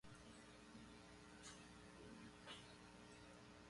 peiote, mescalina, chacrona, ayahuasca